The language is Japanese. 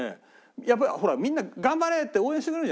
やっぱりみんな「頑張れ」って応援してくれるじゃない。